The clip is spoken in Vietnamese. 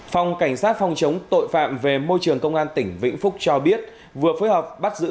phòng cảnh sát phòng chống tội phạm về môi trường công an tỉnh vĩnh phúc cho biết vừa phối hợp bắt giữ